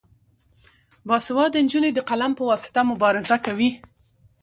باسواده نجونې د قلم په واسطه مبارزه کوي.